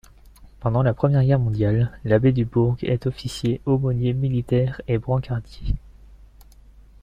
Pendant la Première Guerre mondiale, l'abbé Dubourg est officier, aumônier militaire et brancardier.